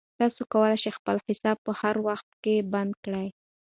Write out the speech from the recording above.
تاسو کولای شئ خپل حساب په هر وخت کې بند کړئ.